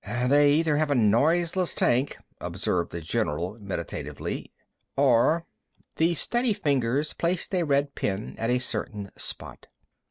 "They either have a noiseless tank," observed the general meditatively, "or...." The steady fingers placed a red pin at a certain spot.